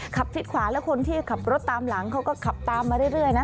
ซิดขวาแล้วคนที่ขับรถตามหลังเขาก็ขับตามมาเรื่อยนะ